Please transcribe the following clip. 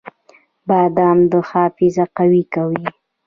بادام حافظه قوي کوي